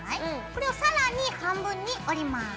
これを更に半分に折ります。